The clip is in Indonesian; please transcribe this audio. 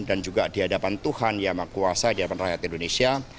dan juga di hadapan tuhan yang mengkuasai di hadapan rakyat indonesia